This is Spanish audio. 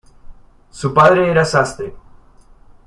Su padre era sastre.